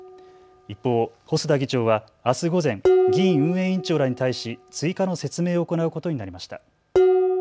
一方、細田議長はあす午前、議院運営委員長らに対し追加の説明を行うことになりました。